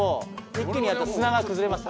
一気にやると砂が崩れます。